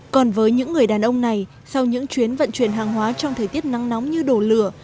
còn với những người đàn ông này sau những chuyến vận chuyển hàng hóa trong thời tiết nắng nóng như đổ lửa